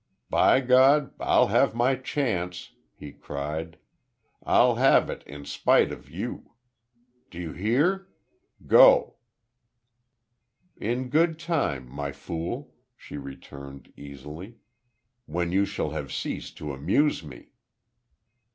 "By God, I'll have my chance!" he cried. "I'll have it in spite of you! Do you hear? Go!" "In good time, My Fool," she returned, easily. "When you shall have ceased to amuse me."